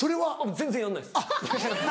全然やんないっす！